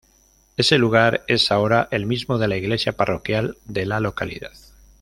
Ese lugar es ahora el mismo de la iglesia parroquial de la localidad.